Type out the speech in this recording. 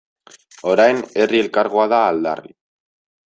Orain Herri Elkargoa da aldarri.